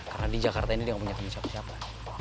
karena di jakarta ini dia gak punya temen siapa siapa